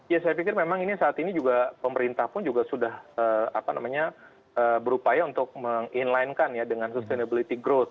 ya saya pikir memang ini saat ini juga pemerintah pun juga sudah berupaya untuk meng inline kan ya dengan sustainability growth